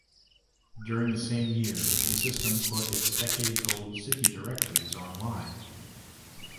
During the same year the system put its decades-old city directories online.